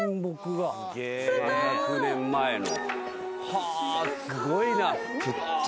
はーすごいな。